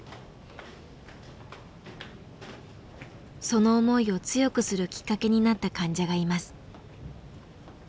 その思いを強くするきっかけになった患者がいます。